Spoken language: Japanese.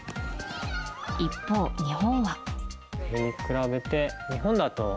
一方、日本は。